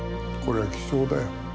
これは貴重だよ。